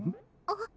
あっ。